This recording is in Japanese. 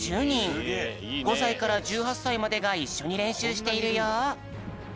５さいから１８さいまでがいっしょにれんしゅうしているよ。